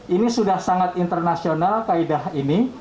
ini sudah sangat internasional kaedah ini